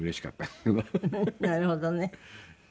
なるほどね。